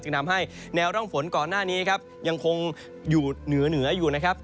จึงทำให้แนวร่องฝนก่อนหน้านี้ยังคงอยู่เหนืออยู่นะครับ